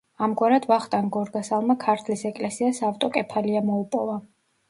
ამგვარად, ვახტანგ გორგასალმა ქართლის ეკლესიას ავტოკეფალია მოუპოვა.